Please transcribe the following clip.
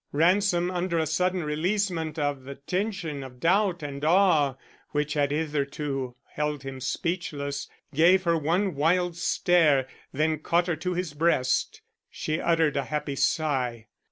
Ransom, under a sudden releasement of the tension of doubt and awe which had hitherto held him speechless, gave her one wild stare, then caught her to his breast. She uttered a happy sigh.